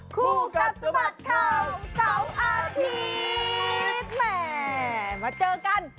คู่กัดสะบัดข่าวเสาร์อาทิตย์แหมมาเจอกัน